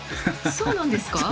そうなんです。